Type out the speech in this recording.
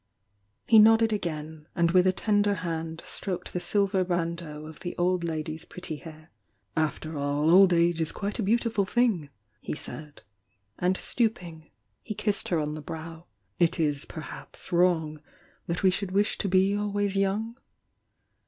He nodded again, and with a tender hand stroked the silver bandeaux of the old lady's pretty hair. "After all, old age is quite a beautiful thing!" he said, and stooping, he kissed her on the brow. "It is, perhaps, wrong that we should wish to be always young?"